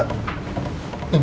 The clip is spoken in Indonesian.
biar gak telat